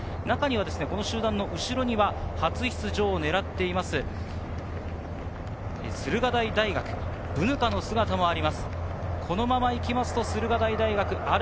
この集団の後ろは初出場を狙っている駿河台大学・ブヌカの姿もあります。